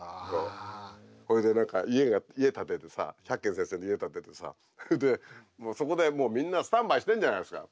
それで何か家が家建ててさ百先生の家建ててさほいでそこでもうみんなスタンバイしてるじゃないですか。